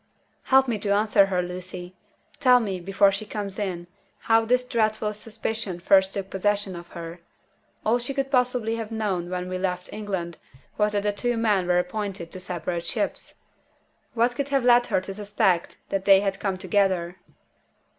"Help me to answer her, Lucy. Tell me, before she comes in, how this dreadful suspicion first took possession of her. All she could possibly have known when we left England was that the two men were appointed to separate ships. What could have led her to suspect that they had come together?"